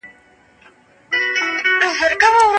ولي مدام هڅاند د لایق کس په پرتله خنډونه ماتوي؟